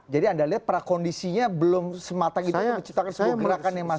jadi anda lihat prakondisinya belum semata gitu menciptakan sebuah gerakan yang masih